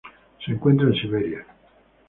Se encuentra en Siberia.